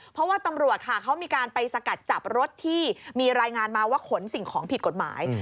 เพราะว่าตำรวจค่ะเขามีการไปสกัดจับรถที่มีรายงานมาว่าขนสิ่งของผิดกฎหมาย